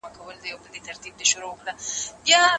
چي تړلي مدرسې وي د پنجاب د واسکټونو